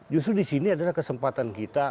justru di sini adalah kesempatan kita